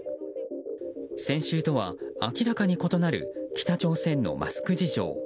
先週とは明らかに異なる北朝鮮のマスク事情。